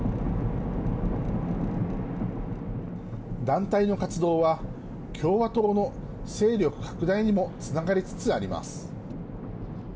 団体の活動は共和党の勢力拡大にもつながりつつあります。